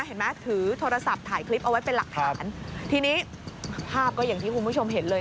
เห็นไหมถือโทรศัพท์ถ่ายคลิปเอาไว้เป็นหลักฐานทีนี้ภาพก็อย่างที่คุณผู้ชมเห็นเลย